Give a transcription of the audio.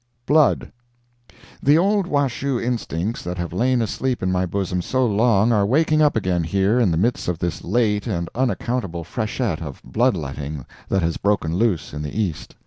BLOOD The old Washoe instincts that have lain asleep in my bosom so long are waking up again here in the midst of this late and unaccountable freshet of blood letting that has broken loose in the East.